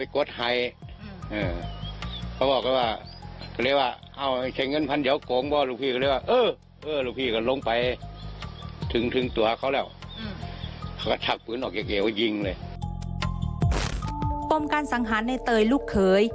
ปมการสังหารในเตยลูกเขย